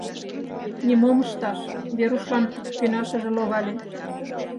Нимом ышташ, Верушлан кӧнашыже логале.